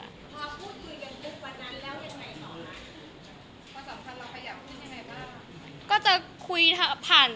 อย่างนึกวันนั้นแล้วยังไงสองนะ